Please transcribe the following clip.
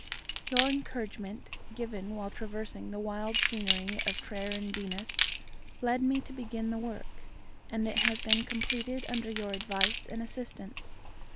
Your encouragement, given while traversing the wild scenery of Treryn Dinas, led me to begin the work; and it has been completed under your advice and assistance.